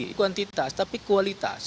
bukan kualitas tapi kualitas